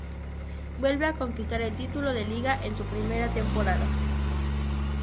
Vuelve a conquistar el título de Liga en su primera temporada.